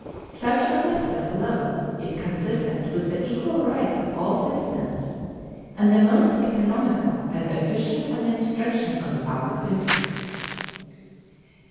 Such a method alone is consistent with the equal rights of all citizens and the most economical and efficient administration of the public business.